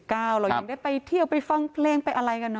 เรายังได้ไปเที่ยวไปฟังเพลงไปอะไรกันเน